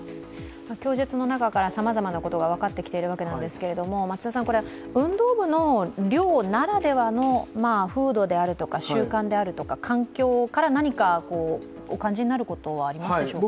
供述の中からさまざまなことが分かってきているんですけれども運動部の寮ならではの風土であるとか習慣であるとか環境などから何かお感じになることはありますでしょうか？